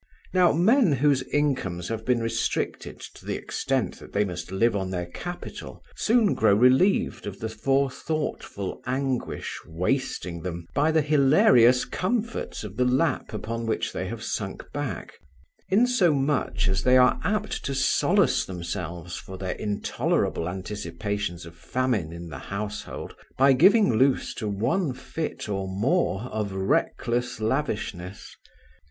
Now men whose incomes have been restricted to the extent that they must live on their capital, soon grow relieved of the forethoughtful anguish wasting them by the hilarious comforts of the lap upon which they have sunk back, insomuch that they are apt to solace themselves for their intolerable anticipations of famine in the household by giving loose to one fit or more of reckless lavishness.